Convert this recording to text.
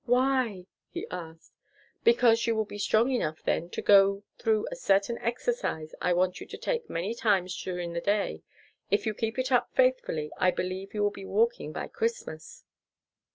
"Why?" he asked. "Because you will be strong enough then to go through a certain exercise I want you to take many times during the day. If you keep it up faithfully, I believe you will be walking by Christmas."